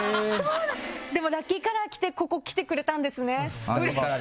でもラッキーカラー着てここ来てくれたんですね。